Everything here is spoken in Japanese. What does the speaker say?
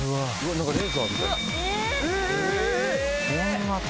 何かレーザーみたい。